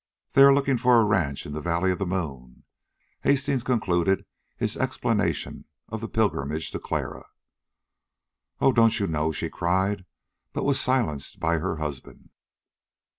"They are looking for a ranch in the valley of the moon," Hastings concluded his explanation of the pilgrimage to Clara. "Oh! don't you know " she cried; but was silenced by her husband.